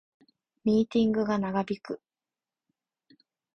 ミーティングが長引く